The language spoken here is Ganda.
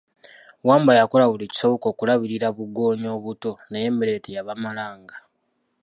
Wambwa yakola buli kisoboka okulabirira bugoonya obuto naye emmere teyabamalanga.